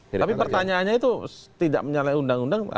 tapi pertanyaannya itu tidak menyalahi undang undang